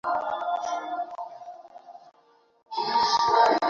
গুন্ডাদলকে শিক্ষা দিতে তোদেরকে আগে শিক্ষা দিতে হবে।